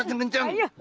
biasa melayuk woy ya